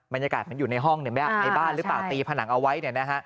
บรรยากาศมันอยู่ในห้องในบ้านหรือเปล่าตีผนังเอาไว้